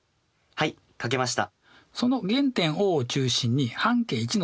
はい書けました。